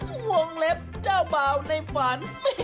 ห่วงเล็บเจ้าบ่าวในฝัน